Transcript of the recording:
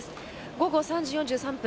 午後３時４３分